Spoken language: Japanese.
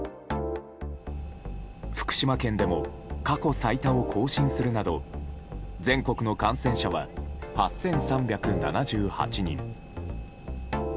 福島県でも過去最多を更新するなど全国の感染者は８３７８人。